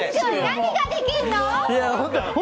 何ができるの！